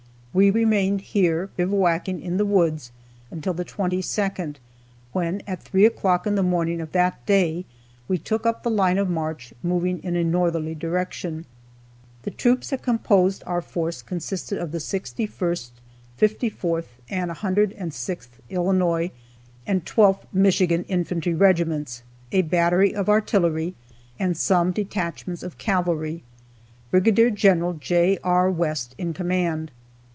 We remained here, bivouacking in the woods, until the 22nd, when, at 3 o'clock in the morning of that day, we took up the line of march, moving in a northerly direction. The troops that composed our force consisted of the 61st, 54th, and 106th Illinois, and 12th Michigan (infantry regiments), a battery of artillery, and some detachments of cavalry; Brig. Gen. J. R. West in command.